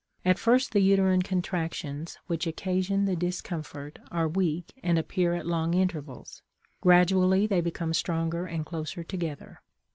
At first the uterine contractions which occasion the discomfort are weak and appear at long intervals. Gradually they become stronger and closer together.